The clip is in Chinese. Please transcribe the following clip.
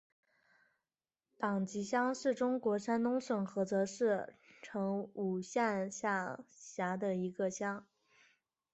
党集乡是中国山东省菏泽市成武县下辖的一个乡。